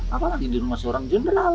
apalagi di rumah seorang jenderal